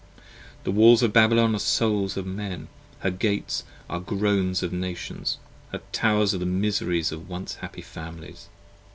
The Walls of Babylon are Souls of Men: her Gates the Groans Of Nations: her Towers are the Miseries of once happy Families.